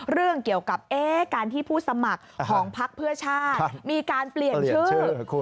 เรื่องเกี่ยวกับการที่ผู้สมัครของพักเพื่อชาติมีการเปลี่ยนชื่อ